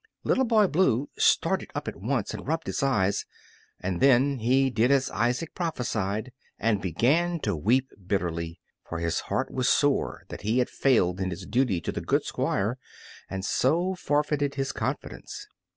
Little Boy Blue started up at once and rubbed his eyes; and then he did as Isaac prophesied, and began to weep bitterly, for his heart was sore that he had failed in his duty to the good Squire and so forfeited his confidence.